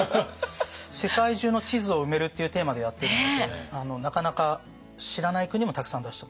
「世界中の地図を埋める」っていうテーマでやってるのでなかなか知らない国もたくさん出してますね。